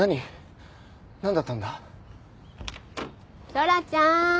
トラちゃーん！